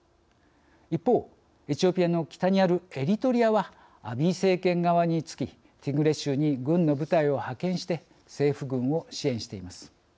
一方エチオピアの北にあるエリトリアはアビー政権側につきティグレ州に軍の部隊を派遣して政府軍を支援しています。